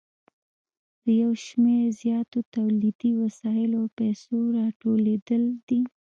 د یو شمېر زیاتو تولیدي وسایلو او پیسو راټولېدل دي